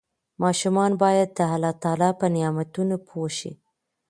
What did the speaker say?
ماشومان باید د الله تعالی په نعمتونو پوه شي.